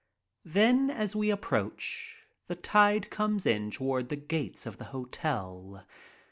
Then as we approach, the tide comes in toward the gates of the hotel.